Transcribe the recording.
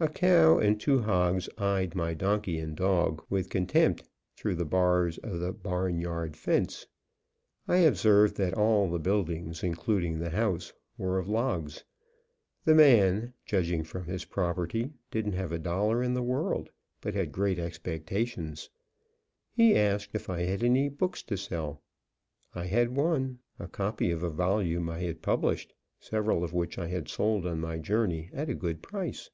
A cow and two hogs eyed my donkey and dog with contempt through the bars of the barnyard fence. I observed that all the buildings, including the house, were of logs. The man, judging from his property, didn't have a dollar in the world, but had great expectations. He asked if I had any books to sell. I had one, a copy of a volume I had published, several of which I had sold on my journey at a good price.